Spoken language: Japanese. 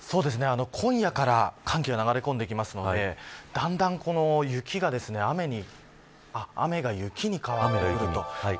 今夜から寒気が流れ込んでくるのでだんだん雪が雨が雪に変わってくると。